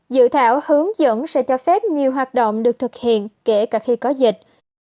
dự thảo hướng dẫn sẽ cho phép nhiều hoạt động được thực hiện kể cả khi có dịch